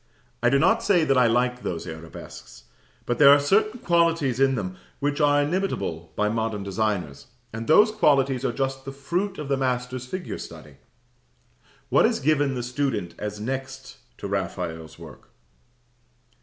I do not say that I like those arabesques; but there are certain qualities in them which are inimitable by modern designers; and those qualities are just the fruit of the master's figure study. What is given the student as next to Raphael's work?